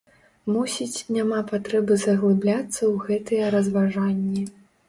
Мусіць, няма патрэбы заглыбляцца ў гэтыя разважанні.